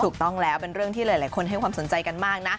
ถูกต้องแล้วเป็นเรื่องที่หลายคนให้ความสนใจกันมากนะ